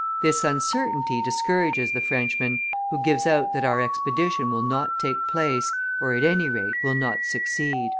This uncertainty discourages the Frenchman, who gives out that our expedition will not take place, or, at any rate, will not succeed."